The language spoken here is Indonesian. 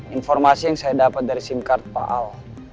informasi yang saya dapat dari simkart pak al